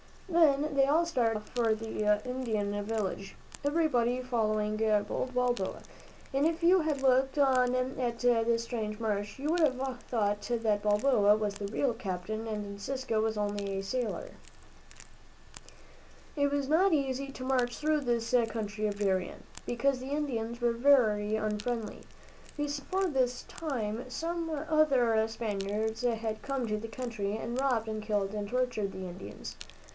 Then they all started off for the Indian village, everybody following bold Balboa, and if you had looked on at this strange march, you would have thought that Balboa was the real captain and Encisco only a sailor. It was not easy to march through this country of Darien, because the Indians were very unfriendly. You see, before this time some other Spaniards had come to the country, and robbed and killed and tortured the Indians.